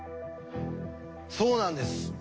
そうなんです。